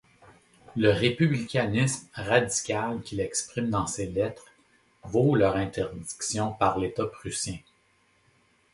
Le républicanisme radical qu'il exprime dans ces lettres vaut leur interdiction par l'état prussien.